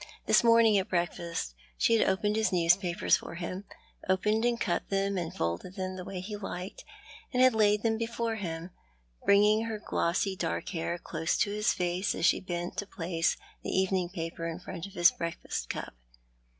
This morning at breakfast she had opened his newspapers for him — opened and cut them and folded them in the way ho liked, and had laid them before him, bringing her glossy dark liair close to his face as she bent to place the evening paper in front of his breakfast cup.